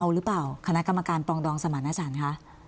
เอาหรือเปล่าคณะกรรมการปรองดองสมรรถสารคะ